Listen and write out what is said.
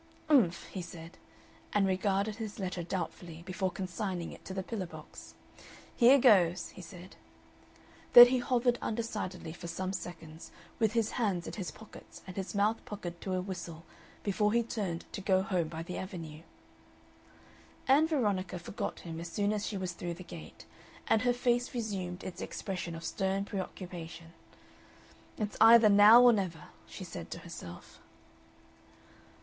"Umph!" he said, and regarded his letter doubtfully before consigning it to the pillar box. "Here goes," he said. Then he hovered undecidedly for some seconds with his hands in his pockets and his mouth puckered to a whistle before he turned to go home by the Avenue. Ann Veronica forgot him as soon as she was through the gate, and her face resumed its expression of stern preoccupation. "It's either now or never," she said to herself....